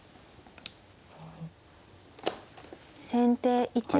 先手１七歩。